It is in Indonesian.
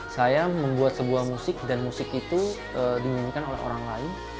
saya membuat sebuah musik dan musik itu dinyanyikan oleh orang lain